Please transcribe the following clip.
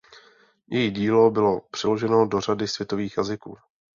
Její dílo bylo přeloženo do řady světových jazyků.